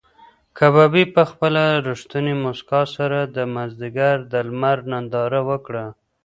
کبابي په خپله رښتونې موسکا سره د مازدیګر د لمر ننداره وکړه.